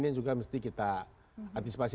ini juga mesti kita antisipasi